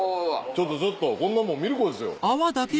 ちょっとちょっとこんなもんミルコですよ。